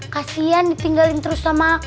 kasihan ditinggalin terus sama aku